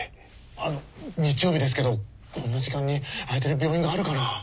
あの日曜日ですけどこんな時間に開いてる病院があるかな？